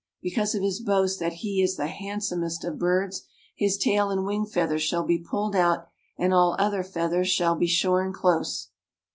Because of his boast that he is the handsomest of birds his tail and wing feathers shall be pulled out and all other feathers shall be shorn close.